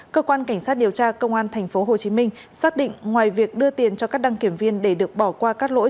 cơ quan cảnh sát điều tra công an tp hồ chí minh xác định ngoài việc đưa tiền cho các đăng kiểm viên để được bỏ qua các lỗi